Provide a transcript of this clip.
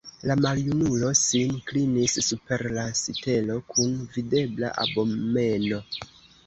La maljunulo sin klinis super la sitelo kun videbla abomeno.